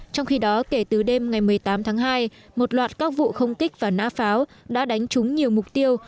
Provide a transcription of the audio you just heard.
trong khi đó kể từ đêm ngày một mươi tám tháng hai một loạt các vụ không kích và nã pháo đã đánh trúng nhiều mục tiêu